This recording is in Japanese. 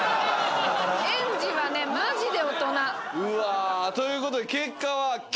うわということで結果は。